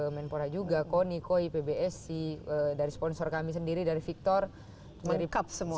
menpora juga koni koi pbs dari sponsor kami sendiri dari victor mengungkap semuanya